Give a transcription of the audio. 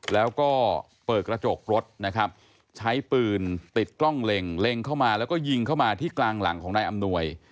แล้วก็เปิดกระจกรถนะครับใช้ปืนติดกล้องเล็งเล็งเข้ามาแล้วก็ยิงเข้ามาที่กลางหลังของนายอำนวย